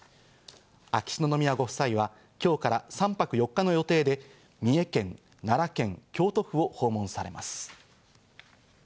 秋篠宮ご夫妻は今日から３泊４日の予定で、三重県、奈良県、京都府を訪問されます。